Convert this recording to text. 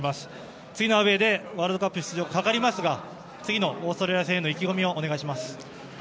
次のアウェーでワールドカップ出場がかかりますが次のオーストラリア戦への意気込みをお願いします。